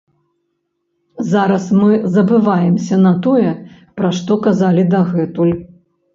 Зараз мы забываемся на тое, пра што казалі дагэтуль.